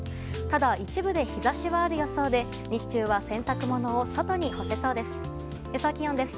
ただ、一部で日差しはある予想で日中は洗濯物を外に干せそうです。